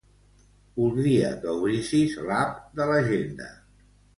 Voldria que obrissis l'app de l'Agenda.